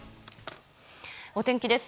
お天気です。